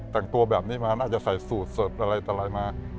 แต่งตัวแบบนี้มาน่าจะใส่สูตรอะไรมา